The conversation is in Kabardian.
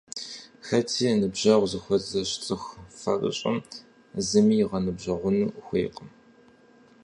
Хэти «ныбжьэгъу» зыхуэзыщӀ цӀыху фэрыщӀыр зыми игъэныбжьэгъуну хуейкъым.